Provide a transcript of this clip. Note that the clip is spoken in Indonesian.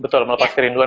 betul melepas kerinduan